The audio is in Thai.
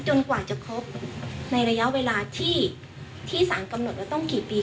กว่าจะครบในระยะเวลาที่สารกำหนดแล้วต้องกี่ปี